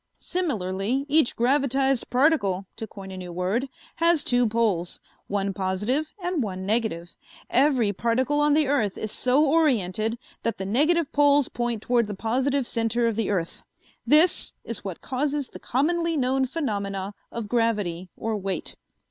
Similarly each gravitized particle, to coin a new word, had two poles, one positive and one negative. Every particle on the earth is so oriented that the negative poles point toward the positive center of the earth. This is what causes the commonly known phenomena of gravity or weight."